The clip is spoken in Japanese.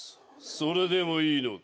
それでもいいのか？